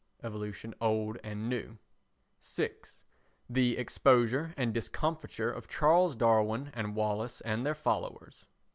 [Evolution Old and New.] 6. The exposure and discomfiture of Charles Darwin and Wallace and their followers.